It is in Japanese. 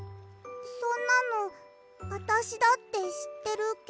そんなのあたしだってしってるけど。